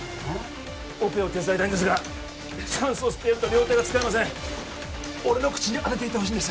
オペを手伝いたいんですが酸素を吸ってると両手が使えません俺の口に当てていてほしいんです